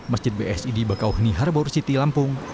masjid bsi di bakauhni harbor city lampung